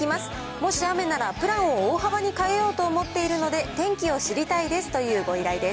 もし雨なら、プランを大幅に変えようと思ってるので、天気を知りたいですというご依頼です。